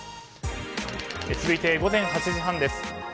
続いて、午前８時半です。